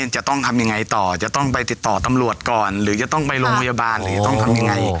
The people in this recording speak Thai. จะต้องทำยังไงต่อจะต้องไปติดต่อตำรวจก่อนหรือจะต้องไปโรงพยาบาลหรือจะต้องทำยังไง